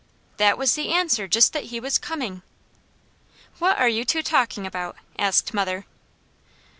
"That was the answer. Just that he was coming." "What are you two talking about?" asked mother.